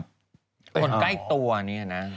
คนใกล้ตัวเนี่ยนะ